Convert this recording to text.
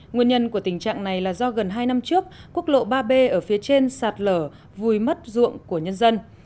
nguyên nhân của tình trạng này là do gần hai năm trước quốc lộ ba b ở phía trên sạt lở vùi mất ruộng của nhân dân